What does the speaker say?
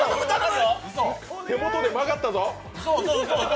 手元で曲がったぞ。